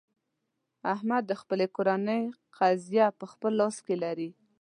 احمد د خپلې کورنۍ قېزه په خپل لاس کې لري.